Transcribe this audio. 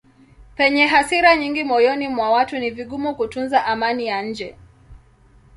Penye hasira nyingi moyoni mwa watu ni vigumu kutunza amani ya nje.